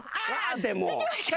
できました。